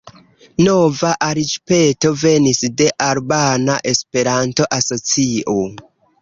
Nova aliĝpeto venis de Albana Esperanto-Asocio.